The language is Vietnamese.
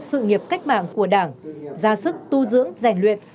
sự nghiệp cách mạng của đảng ra sức tu dưỡng rèn luyện